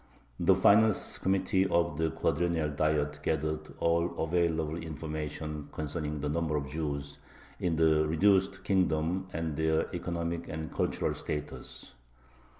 The finance committee of the Quadrennial Diet gathered all available information concerning the number of Jews in the reduced kingdom and their economic and cultural status.